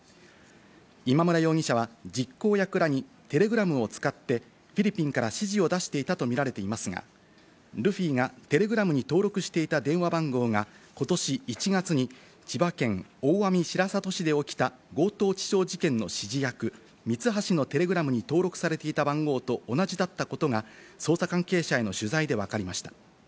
今村容疑者は実行役らにテレグラムを使ってフィリピンから指示を出していたとみられていますが、ルフィがテレグラムに登録していた電話番号が、ことし１月に千葉県大網白里市で起きた強盗致傷事件の指示役ミツハシのテレグラムに登録されていた番号と同じだったことが捜査関係者への取材でわかりました。